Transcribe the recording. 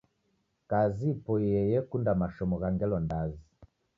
Kazi ipoiye yekunda mashomo gha ngelo ndazi